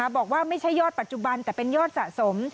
บอกว่าไม่ใช่ยอดปัจจุบันแต่เป็นยอดสะสม